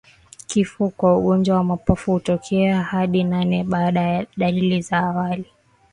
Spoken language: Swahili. Kifo kwa ugonjwa wa mapafu hutokea hadi nane baada ya dalili za awali